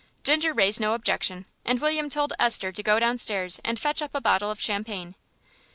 Ginger raised no objection, and William told Esther to go down stairs and fetch up a bottle of champagne.